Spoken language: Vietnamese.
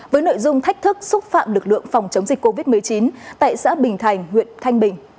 với nội dung thách thức xúc phạm lực lượng phòng chống dịch covid một mươi chín tại xã bình thành huyện thanh bình